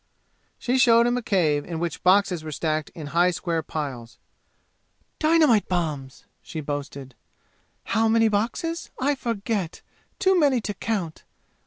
She showed him a cave in which boxes were stacked in high square piles. "Dynamite bombs!" she boasted. "How many boxes? I forget! Too many to count!